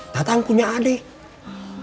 tatang punya adik